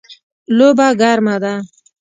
لوبه ګرمه ده